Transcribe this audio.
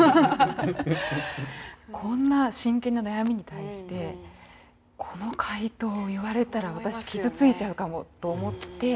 こんな真剣な悩みに対してこの回答を言われたら私傷ついちゃうかもと思って。